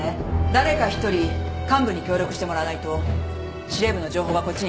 誰か１人幹部に協力してもらわないと司令部の情報がこっちに入ってこない。